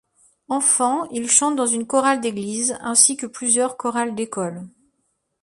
Enfant, il chante dans une chorale d'église, ainsi que plusieurs chorales d'école.